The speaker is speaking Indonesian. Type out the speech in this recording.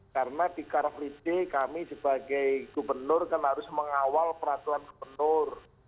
karena di karflite kami sebagai gubernur kan harus mengawal peraturan gubernur